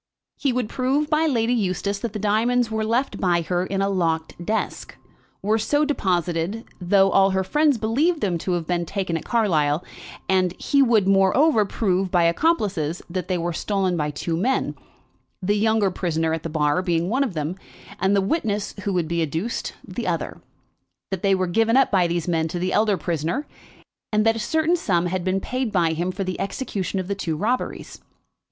He would prove by Lady Eustace that the diamonds were left by her in a locked desk, were so deposited, though all her friends believed them to have been taken at Carlisle; and he would, moreover, prove by accomplices that they were stolen by two men, the younger prisoner at the bar being one of them, and the witness who would be adduced, the other, that they were given up by these men to the elder prisoner, and that a certain sum had been paid by him for the execution of the two robberies.